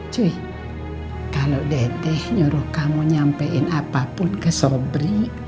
cuy kalau deteh nyuruh kamu nyampein apapun ke sobri